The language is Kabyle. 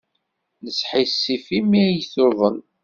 Nesḥissif imi ay tuḍen.